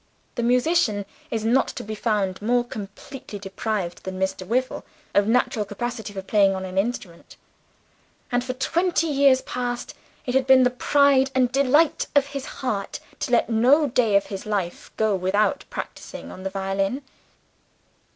The musician is not to be found more completely deprived than Mr. Wyvil of natural capacity for playing on an instrument and, for twenty years past, it had been the pride and delight of his heart to let no day of his life go by without practicing on the violin.